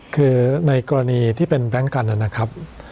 คือในกรณีที่เป็นแบงค์กันนะครับ